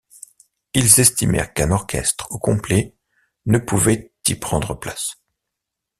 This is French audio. Ils estimèrent qu'un orchestre au complet ne pouvait y prendre place.